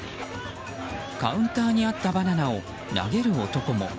カウンターにあったバナナを投げる男も。